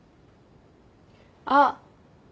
あっ。